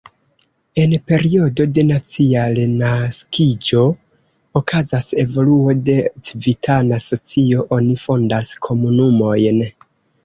En periodo de nacia renaskiĝo okazas evoluo de civitana socio, oni fondas komunumojn.